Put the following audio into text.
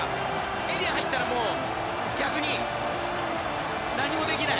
エリア入ったらもう逆に何もできない。